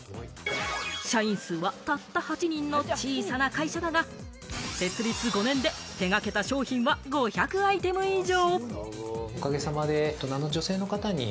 社員数はたった８人の小さな会社だが、設立５年で手がけた商品は５００アイテム以上。